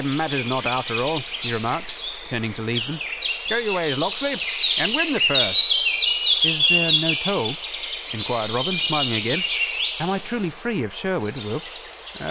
"It matters not, after all," he remarked, turning to leave them. "Go your ways, Locksley, and win the purse." "Is there no toll?" enquired Robin, smiling again, "Am I truly free of Sherwood, Will?"